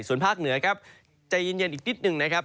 ส่วนภาคเหนือครับใจเย็นอีกนิดหนึ่งนะครับ